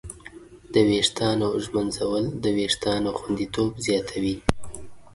د ویښتانو ږمنځول د وېښتانو خوندیتوب زیاتوي.